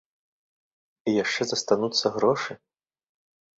І яшчэ застануцца грошы!